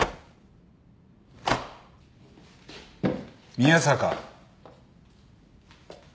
宮坂。